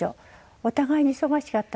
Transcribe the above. お互いに忙しかったんです。